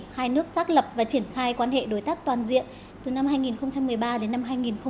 hai nước xác lập và triển khai quan hệ đối tác toàn diện từ năm hai nghìn một mươi ba đến năm hai nghìn một mươi bảy